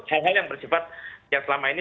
hal hal yang bersifat yang selama ini